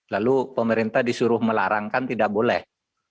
lalu pemerintah disuruh melarangkan tidak boleh